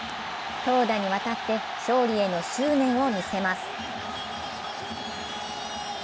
投打にわたって勝利への執念を見せます。